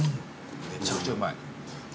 めちゃくちゃうまい。